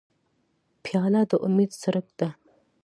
پیاله د امید څرک ده.